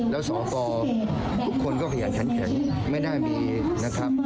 แล้วสกทุกคนก็ขยันขันแข็งไม่น่ามีนะครับ